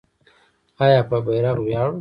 آیا په بیرغ ویاړو؟